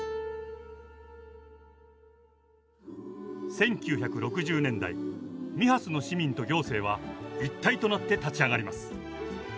１９６０年代ミハスの市民と行政は一体となって立ち上がります。